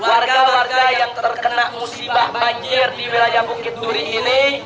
warga warga yang terkena musibah banjir di wilayah bukit duri ini